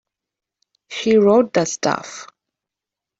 She wrote the stuff.